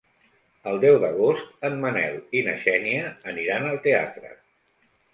El deu d'agost en Manel i na Xènia aniran al teatre.